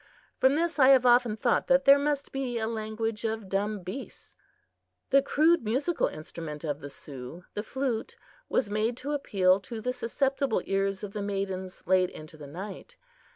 From this I have often thought that there must be a language of dumb beasts. The crude musical instrument of the Sioux, the flute, was made to appeal to the susceptible ears of the maidens late into the night.